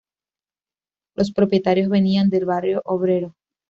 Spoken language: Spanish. Los propietarios venían del Barrio Obrero.